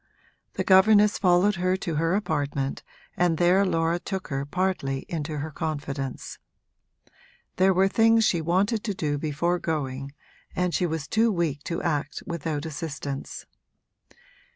The governess followed her to her apartment and there Laura took her partly into her confidence. There were things she wanted to do before going, and she was too weak to act without assistance.